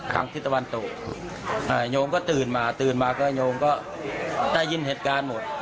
ทางทิศตะวันตกโยมก็ตื่นมาตื่นมาก็โยมก็ได้ยินเหตุการณ์หมด